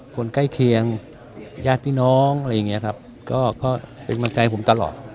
ใกล้เคียงญาติพี่น้องอะไรอย่างเงี้ยครับก็เป็นกำลังใจผมตลอด